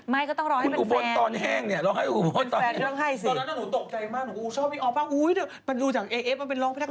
ไม่ก็ต้องร้องให้เป็นแฟนคุณอุภนตอนแห้งเนี่ย